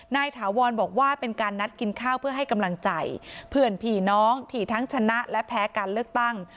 ถาวรบอกว่าเป็นการนัดกินข้าวเพื่อให้กำลังใจเพื่อนผีน้องที่ทั้งชนะและแพ้การเลือกตั้ง